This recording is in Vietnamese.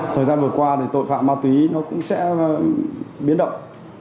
thời gian vừa qua thì tội phạm ma túy nó cũng sẽ biến động